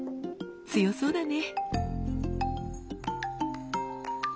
強そうだね。